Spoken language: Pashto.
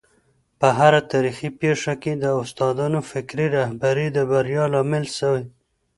په هره تاریخي پېښه کي د استادانو فکري رهبري د بریا لامل سوی.